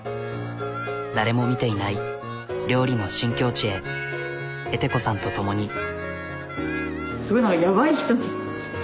誰も見ていない料理の新境地へエテ子さんと共に。